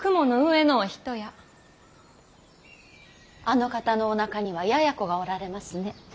あの方のおなかにはややこがおられますね。